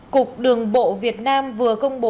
cục đường bộ việt nam vừa công diện